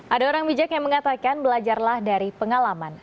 ada orang bijak yang mengatakan belajarlah dari pengalaman